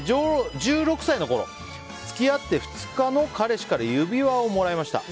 １６歳のころ付き合って２日の彼氏から指輪をもらいました。